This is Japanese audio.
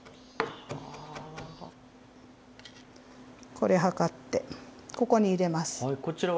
これ量ってここに入れます。